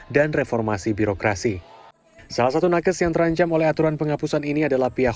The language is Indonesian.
dan reformasi birokrasi salah satu nakes yang terancam oleh aturan penghapusan ini adalah pihak